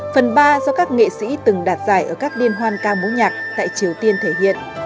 phần ba do các nghệ sĩ từng đạt giải ở các liên hoan ca mối nhạc tại triều tiên thể hiện